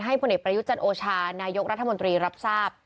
ผลเอกประยุทธ์จันโอชานายกรัฐมนตรีรับทราบ